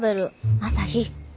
朝陽。